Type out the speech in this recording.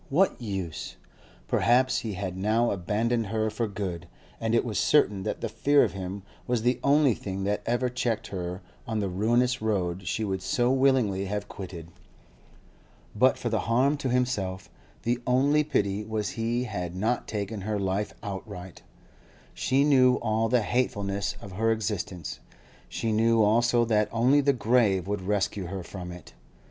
what use? Perhaps he had now abandoned her for good, and it was certain that the fear of him was the only thing that ever checked her on the ruinous road she would so willingly have quitted. But for the harm to himself, the only pity was he had not taken her life outright. She knew all the hatefulness of her existence; she knew also that only the grave would rescue her from it.